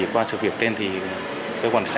qua sự việc trên thì cơ quan sách